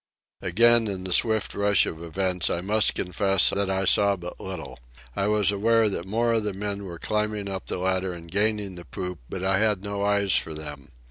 Again, in the swift rush of events, I must confess that I saw but little. I was aware that more of the men were climbing up the ladder and gaining the poop, but I had no eyes for them.